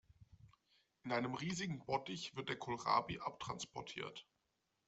In einem riesigen Bottich wird der Kohlrabi abtransportiert.